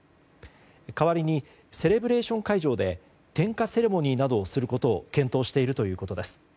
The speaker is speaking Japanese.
代わりにセレブレーション会場で点火セレモニーなどをすることを検討しているということです。